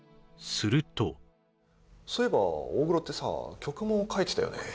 するとそういえば大黒ってさ曲も書いてたよね